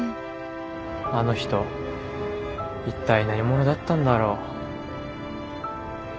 あの人一体何者だったんだろう。